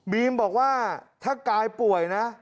บอกว่าถ้ากายป่วยนะ